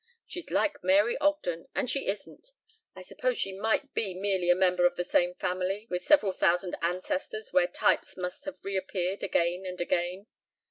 She's like Mary Ogden and she isn't. I suppose she might be merely a member of the same family with several thousand ancestors where types must have reappeared again and again.